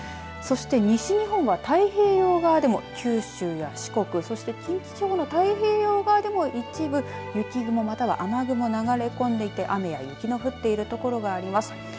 そして、西日本は太平洋側でも九州や四国、そして近畿地方の太平洋側でも一部、雪雲または雨雲、流れ込んでいて雨や雪の降っている所があります。